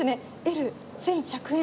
「Ｌ１１００円」。